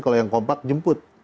kalau yang kompak jemput